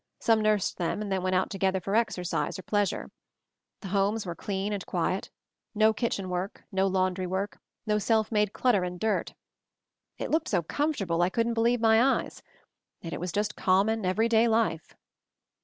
Some nursed them and then went out together for exercise or pleasure. The homes were clean and quiet, too; no kitchen work, no laundry work, no self made clutter and dirt. It looked so comfortable that I couldn't believe my eyes, yet it was just common, everyday life.